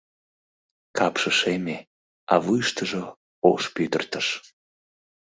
Капше шеме, а вуйыштыжо — ош пӱтыртыш.